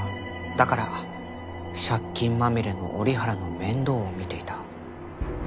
だから借金まみれの折原の面倒を見ていた。